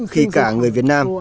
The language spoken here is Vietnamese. khi cả người việt nam